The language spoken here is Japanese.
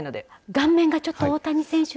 顔面がちょっと大谷選手に。